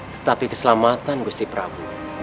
tetapi keselamatan gusti prabu